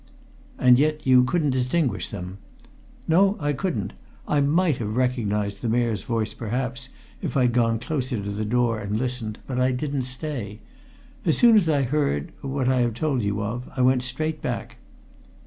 "And yet you couldn't distinguish them?" "No, I couldn't. I might have recognized the Mayor's voice perhaps, if I'd gone closer to the door and listened, but I didn't stay. As soon as I heard what I have told you of I went straight back."